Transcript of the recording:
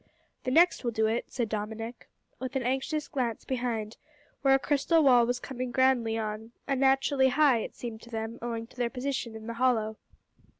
"The next will do it," said Dominick, with an anxious glance behind, where a crystal wall was coming grandly on unnaturally high, it seemed to them, owing to their position in the hollow.